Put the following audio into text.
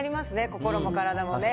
心も体もね。